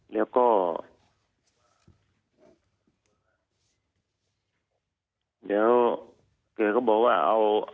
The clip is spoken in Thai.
แล้วก็เขาก็บอกว่าเอา